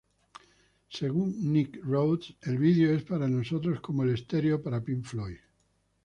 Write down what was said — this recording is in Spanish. Según Nick Rhodes, "el video es para nosotros como el stereo para Pink Floyd".